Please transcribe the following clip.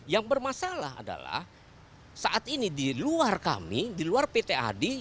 yang bermasalah adalah saat ini di luar kami di luar pt adi